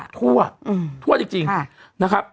ทั่วทั่วจริง